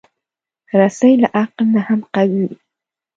رسۍ له عقل نه هم قوي وي.